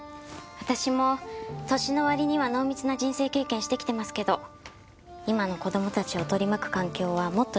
私も年の割には濃密な人生経験してきてますけど今の子供たちを取り巻く環境はもっとシビアですから。